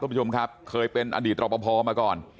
ผู้ชมครับเคยเป็นอดีตรอปภมาก่อน